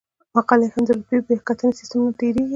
مقالې د هم رتبه بیاکتنې سیستم نه تیریږي.